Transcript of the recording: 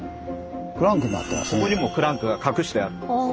ここにもクランクが隠してあるんです。